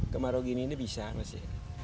kemarau gini ini bisa masih